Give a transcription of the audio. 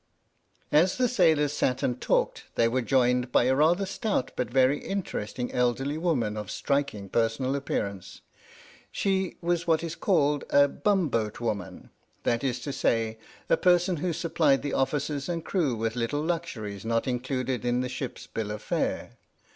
As the sailors sat and talked they were joined by a rather stout but very interesting elderly woman of striking personal appearance. She was what is called a " bum boat woman," that is to say, a person who supplied the officers and crew with little luxu ries not included in the ship's bill of fare.